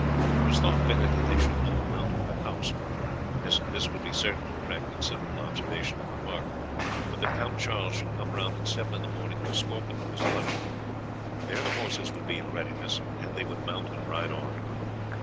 It was thought better that they should not mount at the house, as this would be certain to attract considerable observation and remark, but that Count Charles should come round at seven in the morning and escort them to his lodging. There the horses would be in readiness, and they would mount and ride off.